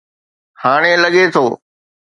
هاڻي لڳي ٿو